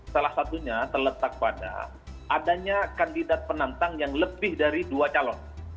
salah satunya terletak pada adanya kandidat penantang yang lebih dari dua calon